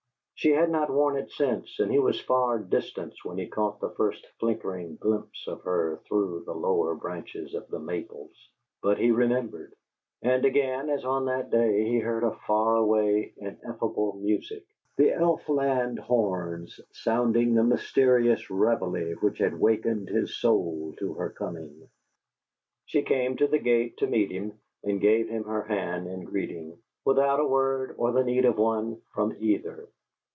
She had not worn it since, and he was far distant when he caught the first flickering glimpse of her through the lower branches of the maples, but he remembered.... And again, as on that day, he heard a far away, ineffable music, the Elf land horns, sounding the mysterious reveille which had wakened his soul to her coming. She came to the gate to meet him, and gave him her hand in greeting, without a word or the need of one from either.